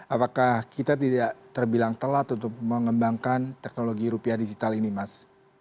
apakah kita tidak terbilang telat untuk mengembangkan teknologi rupiah digital ini mas